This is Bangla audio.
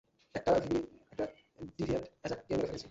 একটা ডিভিয়েন্ট অ্যাজাককে মেরে ফেলেছে।